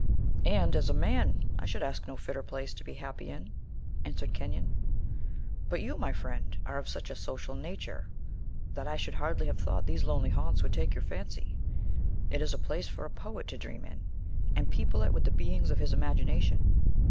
"And, as a man, I should ask no fitter place to be happy in," answered Kenyon. "But you, my friend, are of such a social nature, that I should hardly have thought these lonely haunts would take your fancy. It is a place for a poet to dream in, and people it with the beings of his imagination."